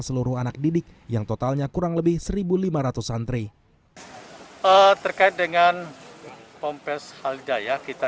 seluruh anak didik yang totalnya kurang lebih seribu lima ratus santri terkait dengan pompes haldaya kita